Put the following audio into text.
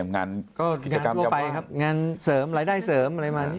ก็มีงานทั่วไปงานแบบรายได้เสริม